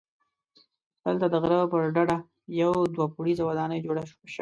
دلته د غره پر ډډه یوه دوه پوړیزه ودانۍ جوړه شوې وه.